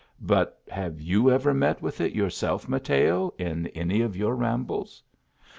"But have you ever met with it yourself, Mateo, in any of your rambles ?